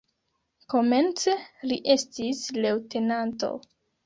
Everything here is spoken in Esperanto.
Komence li estis leŭtenanto.